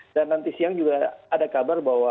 dan nanti siang juga ada kabar bahwa